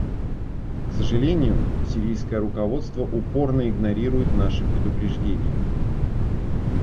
К сожалению, сирийское руководство упорно игнорирует наши предупреждения.